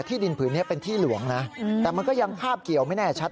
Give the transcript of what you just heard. ดินผืนนี้เป็นที่หลวงนะแต่มันก็ยังคาบเกี่ยวไม่แน่ชัด